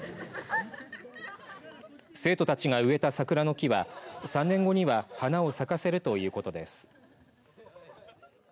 生徒たちが植えた桜の木は３年後には花を咲かせるということです。